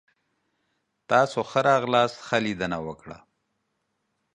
تاسو ښه راغلاست. ښه لیدنه وکړه!